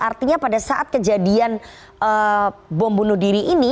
artinya pada saat kejadian bom bunuh diri ini